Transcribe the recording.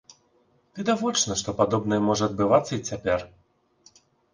Відавочна, што падобнае можа адбываецца і цяпер.